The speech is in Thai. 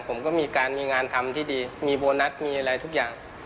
ผมก็มีการมีงานทำที่ดีมีโบนัสมีอะไรทุกอย่าง